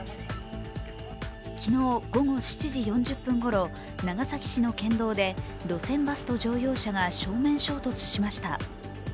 昨日午後７時４０分ごろ、長崎市の県道で、路線バスと乗用車が正面衝突しました。